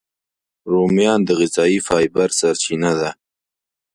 رومیان د غذایي فایبر سرچینه ده